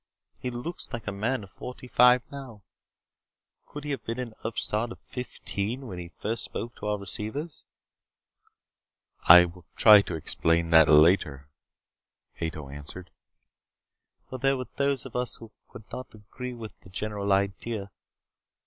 He looks like a man of forty five now. Could he have been an upstart of fifteen when he first spoke into our receivers?" "I will try to explain that later," Ato answered. "Well, there were those of us who could not agree with the general idea.